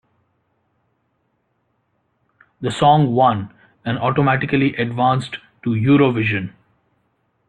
The song won, and automatically advanced to Eurovision.